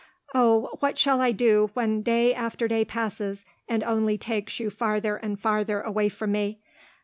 Oh, what shall I do when day after day passes, and only takes you farther and farther away from me?